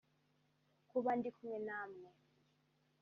kuba ndi kumwe na mwe